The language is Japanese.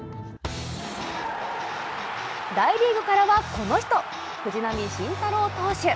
大リーグからはこの人、藤浪晋太郎投手。